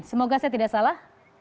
semoga saya tidak salah